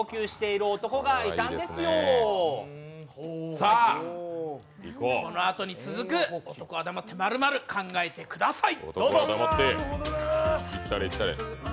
さあ、このあとに続く男は黙って○○、考えてください。